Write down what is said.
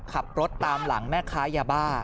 ขับรถตามหลังแม่ค้ายาบ้า